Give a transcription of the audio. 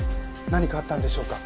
何かあったんでしょうか？